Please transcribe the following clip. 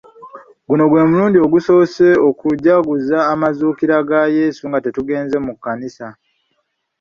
Guno gwe mulundi ogusoose okujaguza amazuukira ga yesu nga tetugenze mu kkanisa.